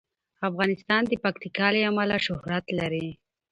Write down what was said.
افغانستان د پکتیکا له امله شهرت لري.